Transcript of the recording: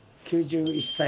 ９１歳。